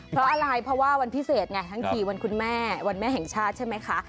เพราะวันพิเศษไงทั้งทีวันคุณแม่วันแม่แห่งชาติใช่ไหมคะ